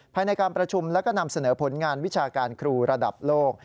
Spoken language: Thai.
ภายในการประชุมแล้วก็นำเสนอผลงานวิชาการครูระดับโลก